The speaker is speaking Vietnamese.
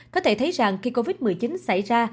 có thể thấy rằng khi covid một mươi chín xảy ra